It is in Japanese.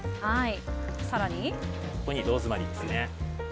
ここにローズマリーです。